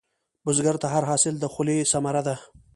بزګر ته هر حاصل د خولې ثمره ده